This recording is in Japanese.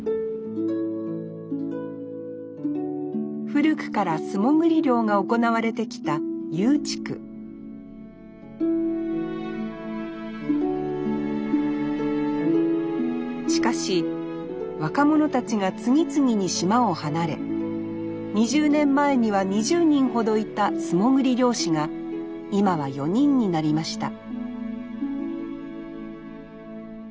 古くから素潜り漁が行われてきた油宇地区しかし若者たちが次々に島を離れ２０年前には２０人ほどいた素潜り漁師が今は４人になりました